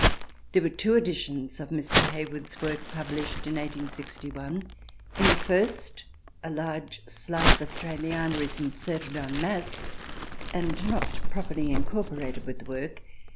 There were two editions of Mr. Hayward's work published in 1861. In the first a large slice of " Thraliana " is inserted en masse, and not properly incorporated with the work.